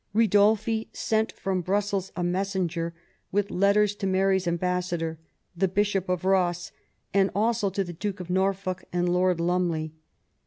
Ridolfi sent from Brussels a messenger with letters to Mary's ambassador, the Bishop of Ross, and also to the Duke of Norfolk and Lord Lumley.